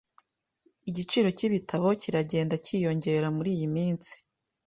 Igiciro cyibitabo kiragenda cyiyongera muriyi minsi.